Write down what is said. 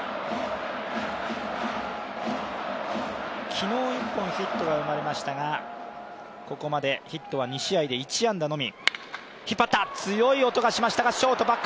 昨日１本ヒットが生まれましたがここまでヒットは２試合で１安打のみ。